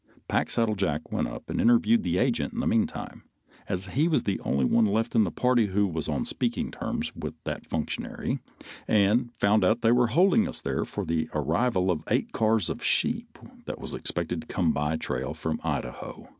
Packsaddle Jack went up and interviewed the agent in the meantime, as he was the only one left in the party who was on speaking terms with that functionary, and found out they were holding us there for the arrival of eight cars of sheep that was expected to come by trail from Idaho.